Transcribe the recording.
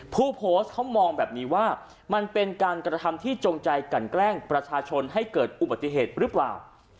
ผู้โพสต์เขามองแบบนี้ว่ามันเป็นการกระทำที่จงใจกันแกล้งประชาชนให้เกิดอุบัติเหตุหรือเปล่า